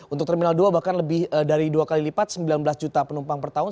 untuk terminal dua bahkan lebih dari dua kali lipat sembilan belas juta penumpang per tahun